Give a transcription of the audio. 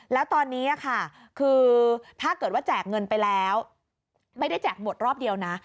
แล้วตอนนี้ค่ะคือถ้าเกิดว่าแจกเงินไปแล้วไม่ได้แจกหมดรอบเดียวนะ